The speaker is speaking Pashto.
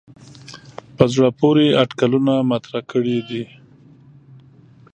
په زړه پورې اټکلونه مطرح کړي دي.